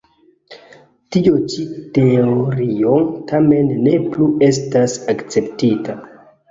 Tio ĉi teorio, tamen, ne plu estas akceptita.